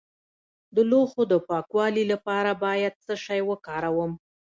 د لوښو د پاکوالي لپاره باید څه شی وکاروم؟